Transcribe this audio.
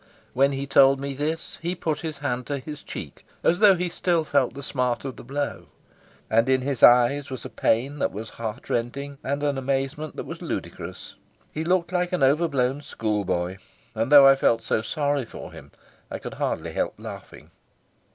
When he told me this he put his hand to his cheek as though he still felt the smart of the blow, and in his eyes was a pain that was heartrending and an amazement that was ludicrous. He looked like an overblown schoolboy, and though I felt so sorry for him, I could hardly help laughing.